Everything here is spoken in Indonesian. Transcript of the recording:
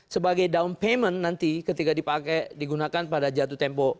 sebagai down payment nanti ketika dipakai digunakan pada jatuh tempo